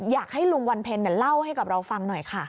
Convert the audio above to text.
อยากให้ลุงวันเพ็ญเล่าให้กับเราฟังหน่อยค่ะ